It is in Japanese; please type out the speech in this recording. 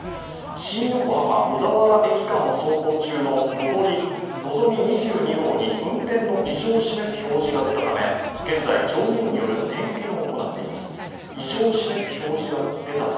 新横浜−小田原駅間を走行中の上りのぞみ２２号に運転の異常を示す表示が出たため現在、乗務員による点検を行っています。